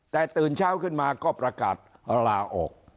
แต่ตื่นเช้าขึ้นมาก็ประกาศลาออก